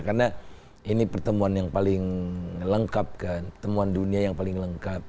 karena ini pertemuan yang paling lengkap kan pertemuan dunia yang paling lengkap